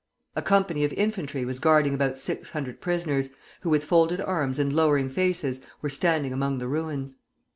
A company of infantry was guarding about six hundred prisoners, who with folded arms and lowering faces were standing among the ruins.